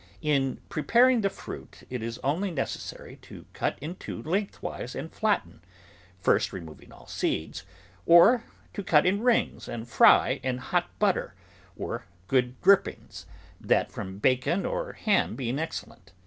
In preparing the fruit, it is only neces sary to cut in two lengthwise and flatten, first re moving all seeds, or to cut in rings and fry in hot butter or good drippings — that from bacon or ham being excellent.